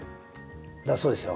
だそうですよ